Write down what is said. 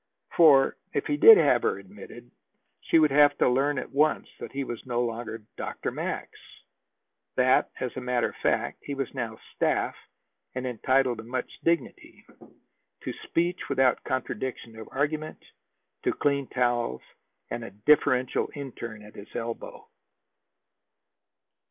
For, if he did have her admitted, she would have to learn at once that he was no longer "Dr. Max"; that, as a matter of fact, he was now staff, and entitled to much dignity, to speech without contradiction or argument, to clean towels, and a deferential interne at his elbow.